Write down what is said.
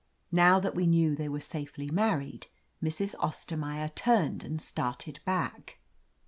Now that we knew they were safely married — Mrs. Ostermaier turned and started back.